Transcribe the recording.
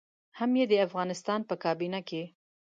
هم يې د افغانستان په کابينه کې.